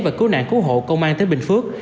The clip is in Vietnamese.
và cứu nạn cứu hộ công an tỉnh bình phước